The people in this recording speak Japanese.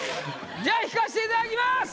じゃあ引かせていただきます！